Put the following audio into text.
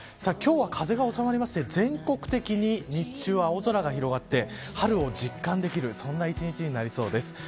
今日は風がおさまりまして全国的に日中は青空が広がって春を実感できるそんな一日になりそうです。